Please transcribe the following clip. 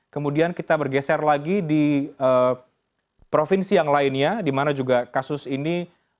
kemudian kita bergeser lagi di provinsi yang lainnya di mana juga kasus ini